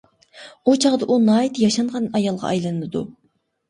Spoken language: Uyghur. ئۇ چاغدا ئۇ ناھايىتى ياشانغان ئايالغا ئايلىنىدۇ.